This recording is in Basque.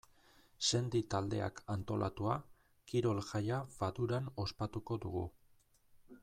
Sendi taldeak antolatua, kirol-jaia Faduran ospatuko dugu.